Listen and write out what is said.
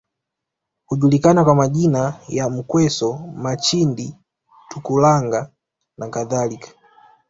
Hujulikana kwa majina ya Mkweso Machindi Tukulanga nakadhalika